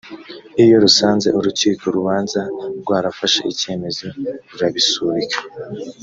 iyo rusanze urukiko rubanza rwarafashe ikemezo, rurabisubika